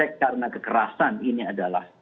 karena kekerasan ini adalah